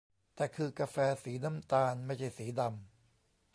แต่คือกาแฟสีน้ำตาล ไม่ใช่สีดำ